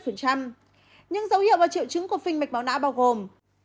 những dấu hiệu và triệu chứng của phình mạch máu não bao gồm